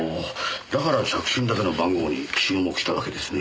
だから着信だけの番号に注目したわけですね。